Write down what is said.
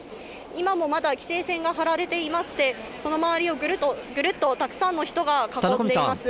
今もまだ規制線が張られていまして、その周りをぐるっとたくさんの人が運んでいます。